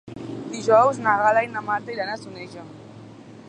Dijous na Gal·la i na Marta iran a Soneja.